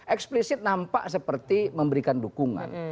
eksplisit nampak seperti memberikan dukungan